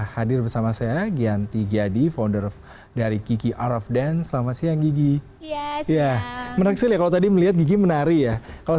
hema selitikta jakarta